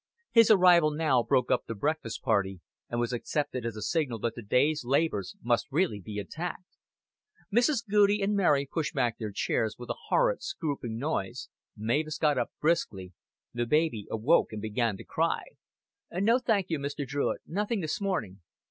His arrival now broke up the breakfast party, and was accepted as a signal that the day's labors must really be attacked. Mrs. Goudie and Mary pushed back their chairs with a horrid scrooping noise, Mavis got up briskly, the baby awoke and began to cry. "No, thank you, Mr. Druitt. Nothing this morning."